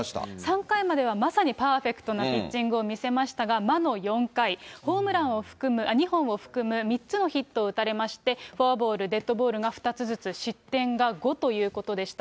３回まではまさにパーフェクトなピッチングを見せましたが、魔の４回、ホームランを含む、２本を含む３つのヒットを打たれまして、フォアボール、デッドボールが２つずつ、失点が５ということでした。